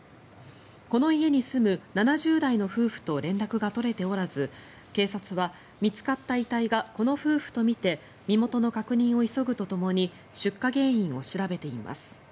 この家に住む７０代の夫婦と連絡が取れておらず警察は、見つかった遺体がこの夫婦とみて身元の確認を急ぐとともに出火原因を調べています。